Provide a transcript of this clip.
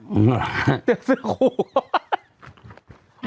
เจ็บเสื้อครู